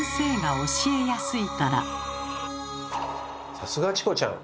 さすがチコちゃん。